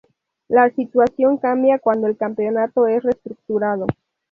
La situación cambia cuando el campeonato es reestructurado.